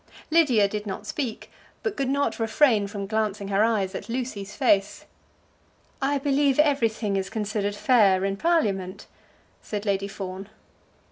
Lydia did not speak, but could not refrain from glancing her eyes at Lucy's face. "I believe everything is considered fair in Parliament," said Lady Fawn.